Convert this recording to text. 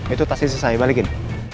itu tasnya selesai balikin